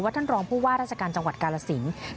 ว่าท่านลองฟูอาฆ์ตราชกรรมจังหวัดกาลสิงห์